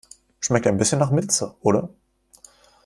Schmeckt ein bisschen nach Minze, oder?